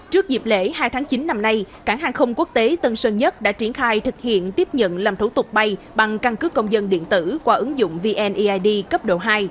trước dịp lễ hai tháng chín năm nay cảng hàng không quốc tế tân sơn nhất đã triển khai thực hiện tiếp nhận làm thủ tục bay bằng căn cứ công dân điện tử qua ứng dụng vneid cấp độ hai